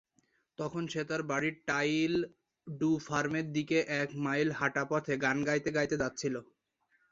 তখন সে তার বাড়ির টাইল-ডু ফার্মের দিকে এক মাইল হাঁটা পথে গান গাইতে গাইতে যাচ্ছিল।